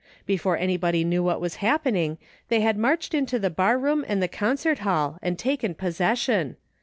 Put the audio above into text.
Be fore anybody knew what was happening they had marched into the bar room and the concert hall and taken possession.